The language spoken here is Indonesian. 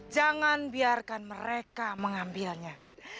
jangan biarkan mereka mengambilnya